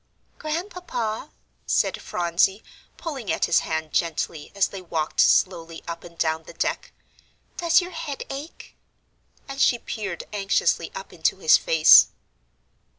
"Grandpapa," said Phronsie, pulling at his hand gently, as they walked slowly up and down the deck, "does your head ache?" And she peered anxiously up into his face.